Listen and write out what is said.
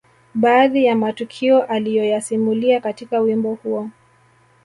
Baadhi ya matukio aliyoyasimulia katika wimbo huo